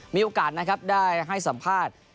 มีโอกาสนะครับได้ให้สัมภาษณ์